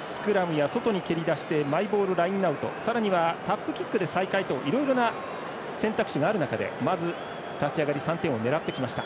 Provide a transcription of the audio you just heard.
スクラムや外に蹴り出してマイボールラインアウトさらにはタップキックで再開といろいろな選択肢がある中でまず立ち上がり３点を狙ってきました。